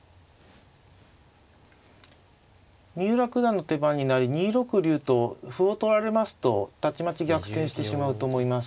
三浦九段の手番になり２六竜と歩を取られますとたちまち逆転してしまうと思います。